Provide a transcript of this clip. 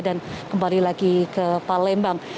dan kembali lagi ke palembang